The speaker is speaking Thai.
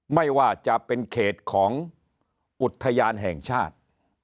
ไม่ว่าจะเป็นเขตของอุทยานแห่งชาติ